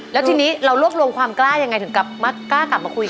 แล้วทีนี้เรารวบรวมความกล้ายังไงถึงกลับมากล้ากลับมาคุย